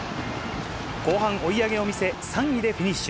後半、追い上げを見せ、３位でフィニッシュ。